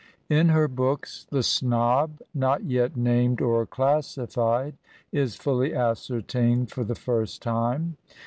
In her books the snob, not yet named or classified, is fully ascertained for the first time.